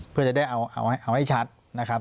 เพื่อจะได้เอาให้ชัดนะครับ